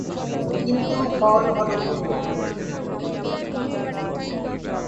কিন্তু ফল হলো উল্টো।